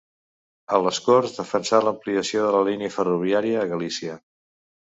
A les Corts defensà l'ampliació de la línia ferroviària a Galícia.